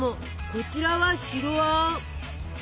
こちらは白あん。